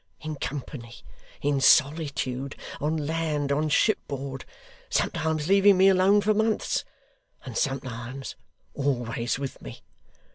In company, in solitude, on land, on shipboard; sometimes leaving me alone for months, and sometimes always with me.